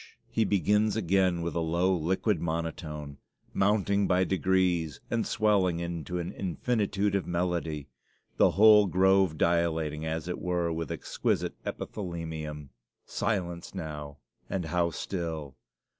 he begins again with a low, liquid monotone, mounting by degrees and swelling into an infinitude of melody the whole grove dilating, as it were, with exquisite epithalamium. Silence now and how still!